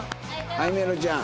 あいめろちゃん。